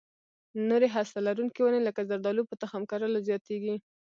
نورې هسته لرونکې ونې لکه زردالو په تخم کرلو زیاتېږي.